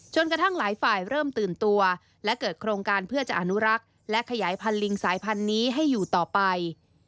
กระทั่งหลายฝ่ายเริ่มตื่นตัวและเกิดโครงการเพื่อจะอนุรักษ์และขยายพันธลิงสายพันธุ์นี้ให้อยู่ต่อไป